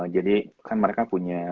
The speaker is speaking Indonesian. jadi kan mereka punya